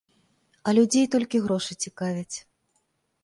А людзей толькі грошы цікавяць.